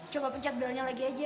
coba pencet bilangnya lagi aja